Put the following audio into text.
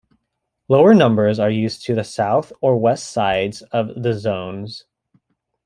Lower numbers are used to the south or west sides of the zones.